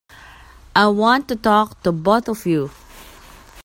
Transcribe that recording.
I want to talk to both of you.